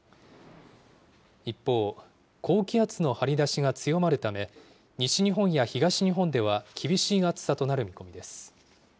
一方、高気圧の張り出しが強まるため、西日本や東日本では厳しい暑さとなる見込みです。